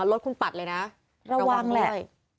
รถคุณปัดเลยนะระวังแหละ